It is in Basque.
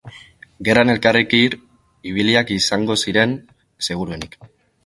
Gerran elkarrekin ibiliak izango ziren seguruenik.